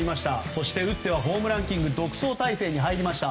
そして、打ってはホームランキング独走態勢に入りました。